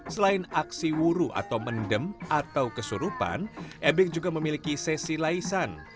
selain aksi wuru atau mendem atau kesurupan ebek juga memiliki sesi laisan